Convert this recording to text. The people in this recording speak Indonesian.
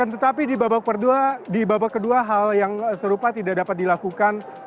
tetapi di babak kedua hal yang serupa tidak dapat dilakukan